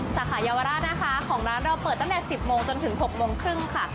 สาขายาวราชนะคะของร้านเราเปิดตั้งแต่๑๐โมงจนถึง๖โมงครึ่งค่ะ